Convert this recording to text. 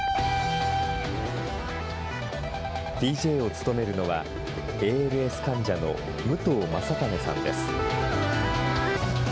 ＤＪを務めるのは、ＡＬＳ患者の武藤将胤さんです。